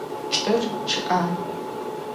Çç'ır ççı'e.